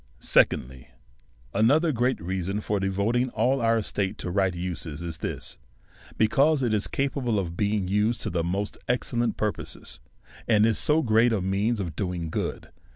DEVOUT AND HOLY LIFE. 57 Second!}/, Another great reason for devoting all our estate to right uses is this^ because it is capable of being used to the most excellent purposes, and is so great a means of doing good.